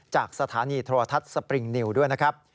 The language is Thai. จากสถานีโทรทัศน์สปริงนิวด้วยนะครับ